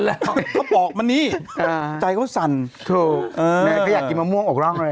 แล้วเขาบอกมานี่อ่าใจเขาสั่นถูกเออแม่เขาอยากกินมะม่วงอกร่องเลย